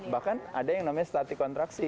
bahkan ada yang namanya startic kontraksi